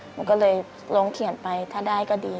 หนูก็เลยลงเขียนไปถ้าได้ก็ดี